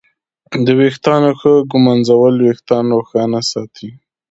د ویښتانو ښه ږمنځول وېښتان روښانه ساتي.